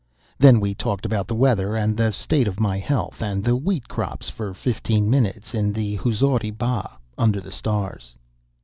Then we talked about the weather and the state of my health, and the wheat crops, for fifteen minutes, in the Huzuri Bagh, under the stars.